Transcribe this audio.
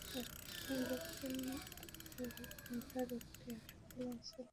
আপনি এখন দক্ষিণ আটলান্টার একটি হাসপাতালে আছেন।